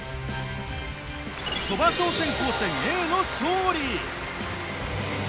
鳥羽商船高専Ａの勝利。